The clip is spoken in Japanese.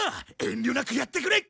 遠慮なくやってくれ！